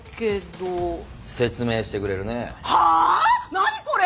何これ！？